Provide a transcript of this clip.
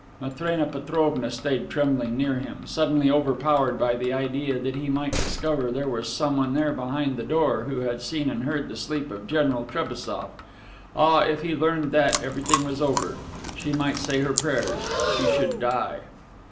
Matrena Petrovna stayed trembling near him, suddenly overpowered by the idea that he might discover there was someone there behind the door, who had seen and heard the sleep of General Trebassof! Ah, if he learned that, everything was over. She might say her prayers; she should die.